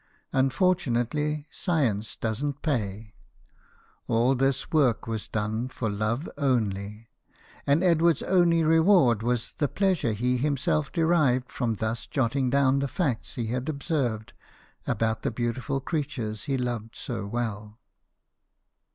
Unfortunately, science doesn't pay. All this work was done for love only ; and Edward's only reward was the pleasure he himself de rived from thus jotting down the facts he had observed about the beautiful creatures he loved so well.